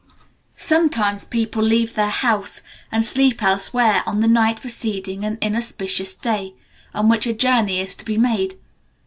Sometimes people leave their house, and sleep elsewhere on the night preceding an inauspicious day, on which a journey is to be made.